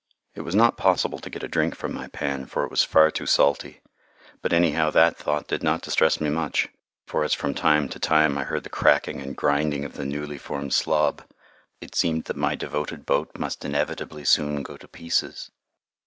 It was not possible to get a drink from my pan, for it was far too salty. But anyhow that thought did not distress me much, for as from time to time I heard the cracking and grinding of the newly formed slob, it seemed that my devoted boat must inevitably soon go to pieces.